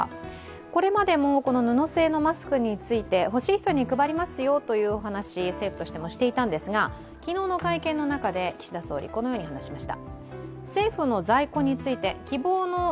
これまでも布製のマスクについて、欲しい人に配りますよという話を政府としてもしていたんですが昨日の会見の中で岸田総理、このように話しました。